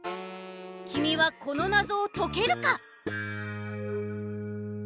きみはこのなぞをとけるか！？